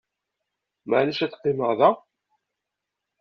Maεlic ad qqimeɣ da?